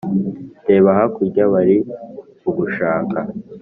Reba hakurya bari kugushaka